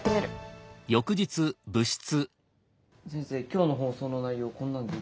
今日の放送の内容こんなんで。